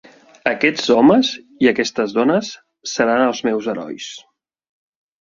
Aquests homes i aquestes dones seran els meus herois